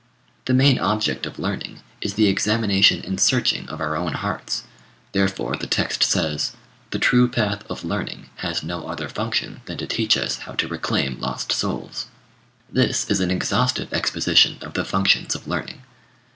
The main object of learning is the examination and searching of our own hearts; therefore the text says, "The true path of learning has no other function than to teach us how to reclaim lost souls." This is an exhaustive exposition of the functions of learning.